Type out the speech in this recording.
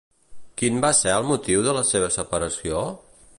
Quin va ser el motiu de la seva separació?